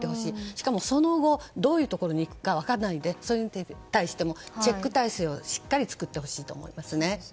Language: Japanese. しかもその後、どういうところに行くか分からないでそれに対してもチェック体制をしっかり作ってほしいと思います。